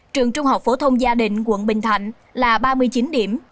trường trung học phổ thông gia định quận bình thạnh là ba mươi chín điểm